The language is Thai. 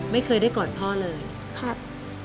ไม่เคยได้กอดพ่อเลยครับ